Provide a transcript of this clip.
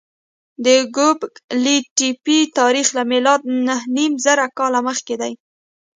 د ګوبک لي تپې تاریخ له میلاده نههنیمزره کاله مخکې دی.